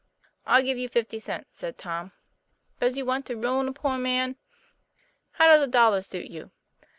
" I'll give you fifty cents," said Tom. " Does you want to ruin a poor man?" " How does a dollar suit you